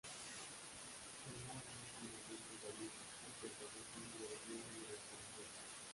El lago es levemente salino, y permanece libre de hielo durante el invierno.